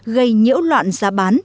gây nhiễu loạn giá bán